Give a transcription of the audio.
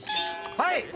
はい。